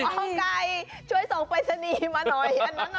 หมอกัยช่วยส่งไปสนีมาหน่อย